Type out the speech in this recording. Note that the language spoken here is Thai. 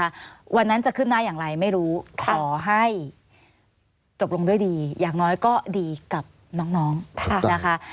วันนั้นจะขึ้นหน้าอย่างไรไม่รู้ขอให้จบลงด้วยดีอย่างน้อยก็ดีกับน้องนะคะ